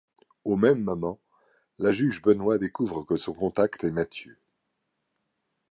Au même moment, la juge Benoit découvre que son contact est Mathieu.